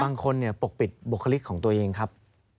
บางคนปกปิดบุคลิกของตัวเองครับ